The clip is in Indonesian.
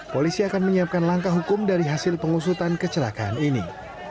polisi akan menyiapkan langkah hukum dari hasil pengusutan kecelakaan ini